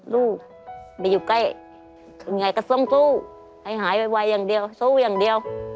ลูกไปอยู่ใกล้ไงก็ต้องสู้ให้หายไวอย่างเดียวสู้อย่างเดียว